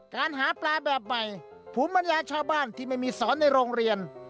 การหาปลาแบบใบผู้มัญญาช่อบ้านที่ไม่มีสอนในโรงเรียน